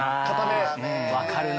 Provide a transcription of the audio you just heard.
分かるな。